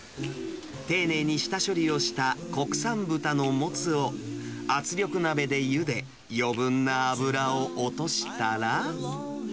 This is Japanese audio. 丁寧に下処理をした国産豚のモツを、圧力鍋でゆで、余分な脂を落としたら。